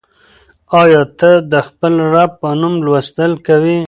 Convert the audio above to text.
آیا ته د خپل رب په نوم لوستل کوې؟